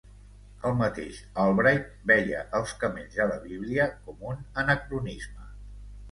El mateix Albright veia els camells a la Bíblia com un anacronisme.